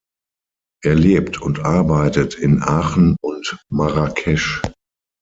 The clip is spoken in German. Er lebt und arbeitet in Aachen und Marrakesch.